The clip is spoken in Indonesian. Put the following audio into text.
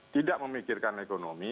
tidak memikirkan ekonomi